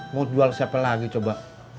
mau jual siapa lagi coba